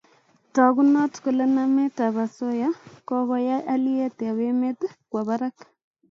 tagunot kole namet ab asoya ko kokoyai haliyet ab emet kwo barak